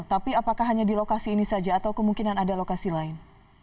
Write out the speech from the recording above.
tapi apakah hanya di lokasi ini saja atau kemungkinan ada lokasi lain